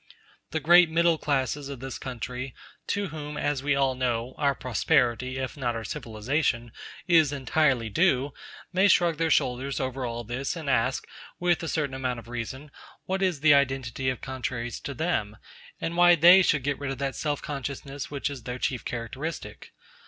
The great middle classes of this country, to whom, as we all know, our prosperity, if not our civilisation, is entirely due, may shrug their shoulders over all this and ask, with a certain amount of reason, what is the identity of contraries to them, and why they should get rid of that self consciousness which is their chief characteristic.